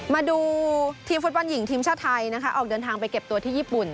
มาดูทีมฟุตบอลหญิงทีมชาติไทยนะคะออกเดินทางไปเก็บตัวที่ญี่ปุ่น